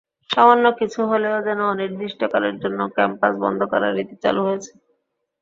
সামান্য কিছু হলেই যেন অনির্দিষ্টকালের জন্য ক্যাম্পাস বন্ধ করার রীতি চালু হয়েছে।